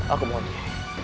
aku mau diri